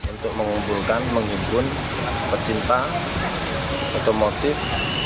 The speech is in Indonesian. untuk mengumpulkan menghibur pecinta otomotif